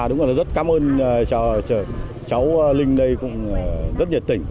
đúng là rất cảm ơn cháu linh đây cũng rất nhiệt tình